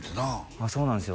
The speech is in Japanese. ああそうなんですよ